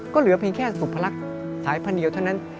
ก็เหลือเพียงแค่สุพรรคสายพันธุ์เดียวเท่านั้น